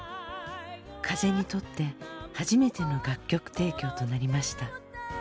風にとって初めての楽曲提供となりました。